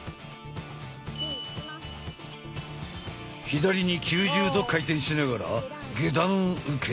左に９０度回転しながら下段受け！